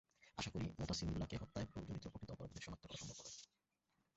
আশা করি মোতাসিম বিল্লাহকে হত্যায় জড়িত প্রকৃত অপরাধীদের শনাক্ত করা সম্ভব হবে।